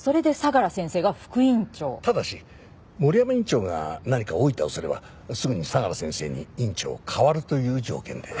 ただし森山院長が何かおイタをすればすぐに相良先生に院長を代わるという条件で。